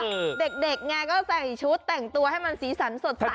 น่ารักเนอะเด็กไงก็ใส่ชุดแต่งตัวให้มันสีสันสดใสขนัย